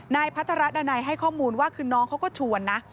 พัทรดานัยให้ข้อมูลว่าคือน้องเขาก็ชวนนะ